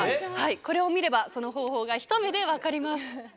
これを見ればその方法がひと目でわかります。